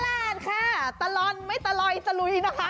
ตลอดตลาดค่ะตลอดไม่ตลอยตลุยนะคะ